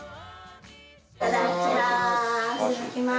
いただきます。